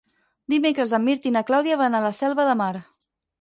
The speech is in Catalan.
Dimecres en Mirt i na Clàudia van a la Selva de Mar.